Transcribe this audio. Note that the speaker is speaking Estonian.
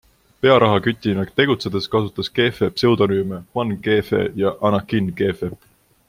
Pearahakütina tegutsedes kasutas Keefe pseudonüüme Juan Keefe ja Anakin Keefe.